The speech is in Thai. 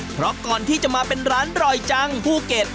เพราะก่อนที่จะมาเป็นร้านรอยจังภูเก็ต